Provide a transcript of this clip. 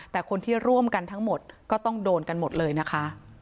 แต่คนที่ร่วมกันทั้งหมดก็ต้องโดนกันหมดเลยนะคะ